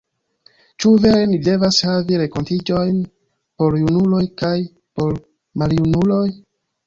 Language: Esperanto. Ĉu vere ni devas havi renkontiĝojn por junuloj kaj por maljunuloj?